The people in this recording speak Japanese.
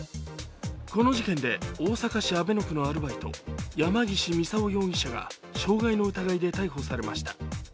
この事件で大阪市阿倍野区のアルバイト、山ぎし操容疑者が障害の疑いで逮捕されました。